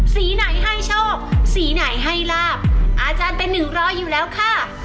สีไหนให้โชคสีไหนให้ลาบอาจารย์เป็นหนึ่งร้อยอยู่แล้วค่ะ